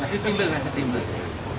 masih timbul masih timbul